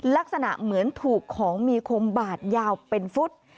ลักษณะเหมือนถูกของมีคมบาดยาวเป็นฟุต